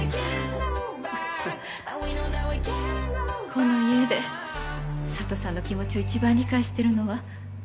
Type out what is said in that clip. この家で佐都さんの気持ちを一番理解しているのは母かもしれません。